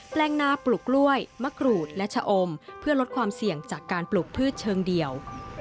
แปลงนาปลูกกล้วยมะกรูดและชะอมเพื่อลดความเสี่ยงจากการปลูกพืชเชิงเดี่ยว